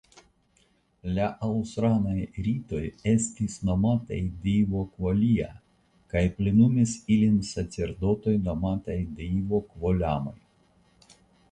La ausranaj ritoj estis nomataj deivokvolia kaj plenumis ilin sacerdotoj nomataj deivokvolamoj.